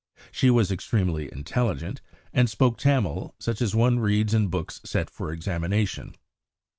She was extremely intelligent, and spoke Tamil such as one reads in books set for examination.